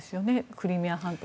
クリミア半島。